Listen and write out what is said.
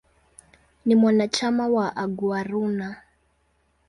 Ni mwanachama wa "Aguaruna".